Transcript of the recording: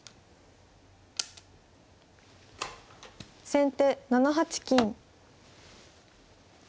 先手７八金。